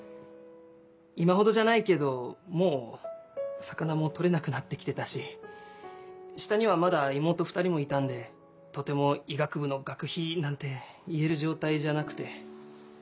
今ほどじゃないけどもう魚も取れなくなって来てたし下にはまだ妹２人もいたんでとても医学部の学費なんて言える状態じゃなくて。